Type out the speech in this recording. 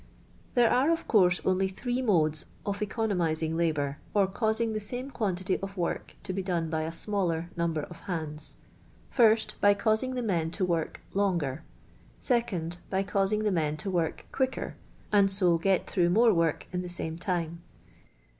There are, of course, only three modes of econo mizing labour, or causing the same quantity of work to be done by a smaller number of hands. 1st. By causing the men to work longer, 2nd. By causing the men to work quicker, and so get through more work in the same time.